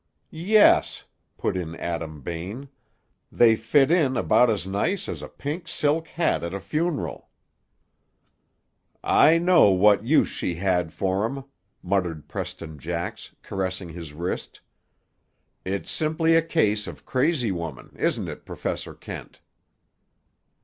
"Yes," put in Adam Bain: "they fit in about as nice as a pink silk hat at a funeral." "I know what use she had for 'em," muttered Preston Jax, caressing his wrist. "It's simply a case of crazy woman; isn't it, Professor Kent?"